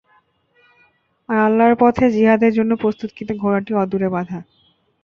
আর আল্লাহর পথে জিহাদের জন্য প্রস্তুতকৃত ঘোড়াটি অদূরে বাঁধা।